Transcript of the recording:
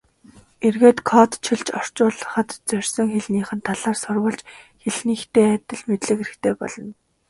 Эргээд кодчилж орчуулахад зорьсон хэлнийх нь талаар сурвалж хэлнийхтэй адил мэдлэг хэрэгтэй болно.